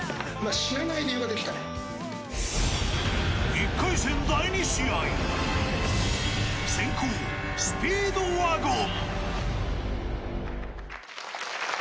１回戦第２試合先攻、スピードワゴン。